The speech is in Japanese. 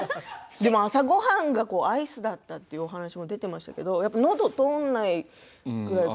でも、朝ごはんがアイスだったってお話も出てましたけどのど通んないぐらい。